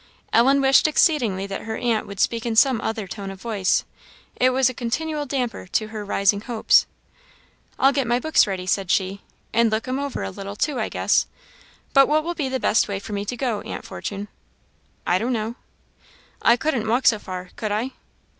Ellen wished exceedingly that her aunt would speak in some other tone of voice; it was a continual damper to her rising hopes. "I'll get my books ready," said she "and look 'em over a little, too, I guess. But what will be the best way for me to go, Aunt Fortune?" "I don't know." "I couldn't walk so far, could I?"